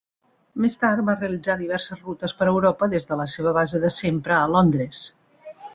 Més tard, va realitzar diverses rutes per Europa des de la seva base de sempre a Londres.